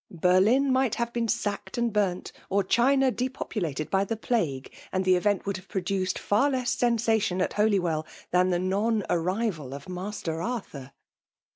Berlin might have been sacked and burnt, or China depb |>ukted by the plague, and the ev^nt vr(AAd have produced far less sensation at HolyweH than the non arrival of Master Arthur